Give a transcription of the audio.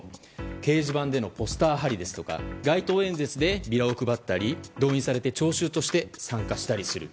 掲示板でのポスター貼りですとか街頭演説でビラを配ったり動員されて聴衆として参加する。